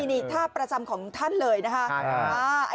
นี่ท่าประจำของท่านเลยนะคะ